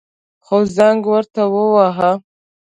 خو زنگ ورته وواهه.